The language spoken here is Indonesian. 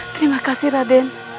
terima kasih raden